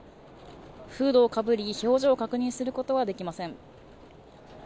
フードをかぶり、表情を確認することはできません。